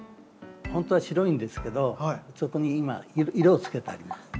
ほんとは白いんですけどそこに今色をつけてあります。